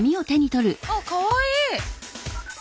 あっかわいい。